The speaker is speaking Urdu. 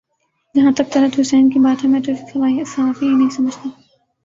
جہاں تک طلعت حسین کی بات ہے میں تو اسے صحافی ہی نہیں سمجھتا